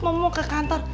mama mau ke kantor